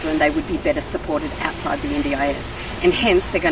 dan untuk beberapa anak anak tersebut mereka lebih baik mendukung di luar ndis